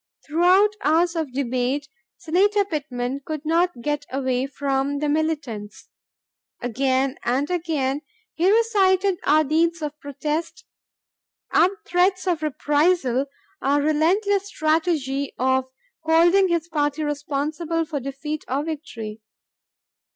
Throughout hours of debate, Senator Pittman could not get away from the militants. Again and again, he recited our deeds of protest, our threats of reprisal, our relentless strategy of holding his party responsible for defeat or victory.